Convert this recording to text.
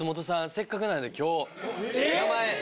せっかくなんで今日。